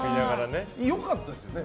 良かったですよね。